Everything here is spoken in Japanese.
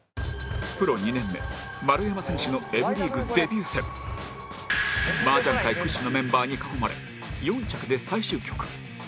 プロ２年目丸山選手の麻雀界屈指のメンバーに囲まれ４着で最終局